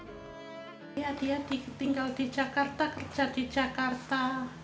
dia tinggal di jakarta kerja di jakarta